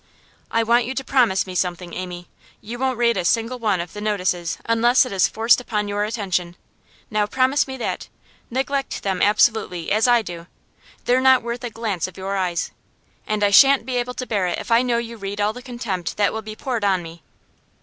'I want you to promise me something, Amy. You won't read a single one of the notices unless it is forced upon your attention. Now, promise me that. Neglect them absolutely, as I do. They're not worth a glance of your eyes. And I shan't be able to bear it if I know you read all the contempt that will be poured on me.